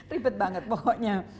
ribet banget pokoknya